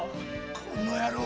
この野郎。